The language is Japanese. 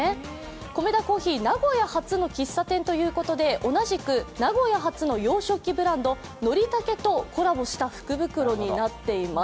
コメダ珈琲は名古屋初の喫茶店ということで同じく名古屋発の洋食器ブランド、ノリタケとコラボした福袋になってます。